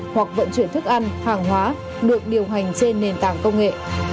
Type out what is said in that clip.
hoặc vận chuyển thức ăn hàng hóa được điều hành trên nền tảng công nghệ